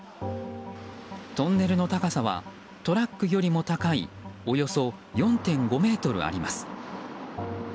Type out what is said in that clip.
トンネルの高さはトラックよりも高いおよそ４．５ｍあります。